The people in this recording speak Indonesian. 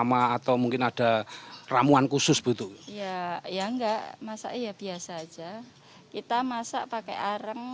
berapa lama atau mungkin ada ramuan khusus butuh ya nggak masa iya biasa aja kita masak pakai areng